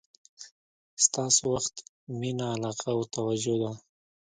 ستاسو وخت، مینه، علاقه او توجه ده.